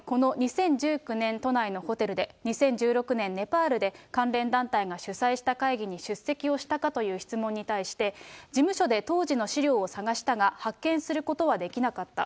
この２０１９年、都内のホテルで、２０１６年、ネパールで関連団体が主催した会議に出席をしたかという質問に対して、事務所で当時の資料を探したが、発見することはできなかった。